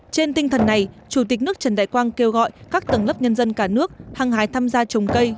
trên tinh thần này chủ tịch nước trần đại quang kêu gọi các tầng lớp nhân dân cả nước hàng hái tham gia trồng cây